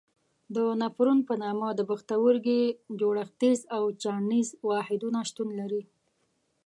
د نفرون په نامه د پښتورګي جوړښتیز او چاڼیز واحدونه شتون لري.